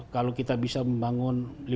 kalau kita bisa membangun